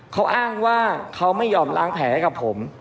เขาอ้างว่าเขาไม่ยอมล้างแผลกับผม